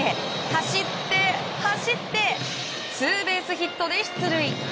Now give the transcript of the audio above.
走って、走ってツーベースヒットで出塁。